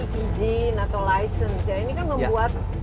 limousin atau licensi ini kan membuat